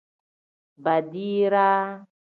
Baadiraa.